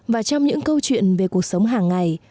và trong những câu chuyện về cuộc sống hàng ngày